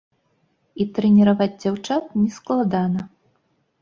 І трэніраваць дзяўчат не складана.